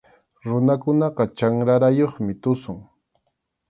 Runakunaqa chanrarayuqmi tusun.